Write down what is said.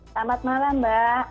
selamat malam mbak